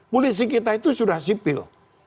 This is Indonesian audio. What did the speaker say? polisi kita itu sudah sipil